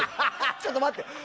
ちょっと待って。